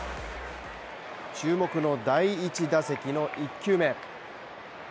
注目の第１打席の１球目。